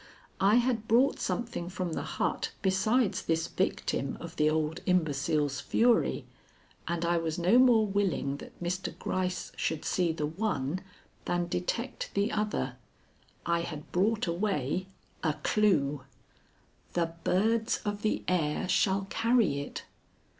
I had brought something from the hut besides this victim of the old imbecile's fury, and I was no more willing that Mr. Gryce should see the one than detect the other. I had brought away a clue. "The birds of the air shall carry it."